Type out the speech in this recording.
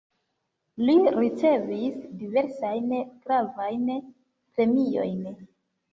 Li ricevis diversajn gravajn premiojn.